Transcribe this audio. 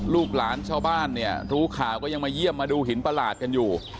ลูกหลานชาวบ้านเนี่ยรู้ข่าวก็ยังมาเยี่ยมมาดูหินประหลาดกันอยู่